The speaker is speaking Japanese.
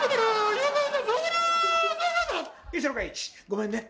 ごめんね。